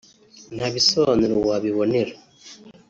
ntabisobanuro wabibonera